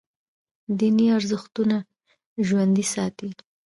دیني ارزښتونه ژوندي ساتي.